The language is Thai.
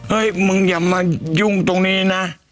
มึงอย่ามายุ่งตรงนี้นะ